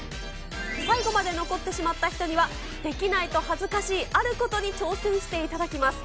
最後まで残ってしまった人には、できないと恥ずかしい、あることに挑戦していただきます。